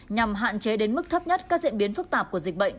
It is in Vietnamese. nhằm hạn chế đến mức thấp nhất các diễn biến phức tạp của dịch bệnh